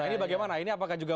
nah ini bagaimana